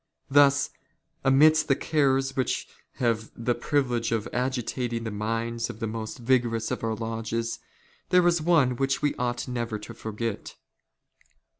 Thus, amidst the cares which have " the privilege of agitating the minds of the most vigorous of ''' our lodges, there is one which we ought never forget.